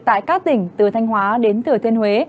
tại các tỉnh từ thanh hóa đến thừa thiên huế